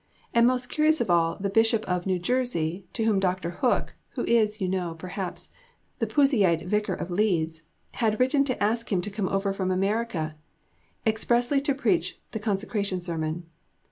and most curious of all the Bishop of New Jersey to whom Dr. Hook (who is, you know, perhaps, the Puseyite vicar of Leeds) had written to ask him to come over from America, expressly to preach the consecration sermon.